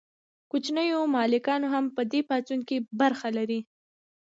کوچنیو مالکانو هم په دې پاڅون کې برخه لرله.